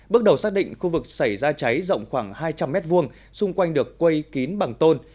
bước đầu xác định khu vực xảy ra cháy rộng khoảng hai trăm linh m hai xung quanh được quây kín bằng tôn